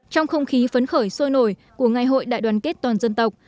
trong không khí phấn khởi sôi nổi của ngày hội đại đoàn kết toàn dân tộc